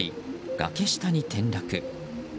崖下に転落。